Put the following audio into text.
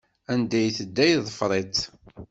Anda i tedda yeḍfeṛ-itt.